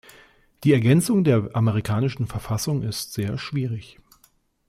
Die Ergänzung der amerikanischen Verfassung ist sehr schwierig.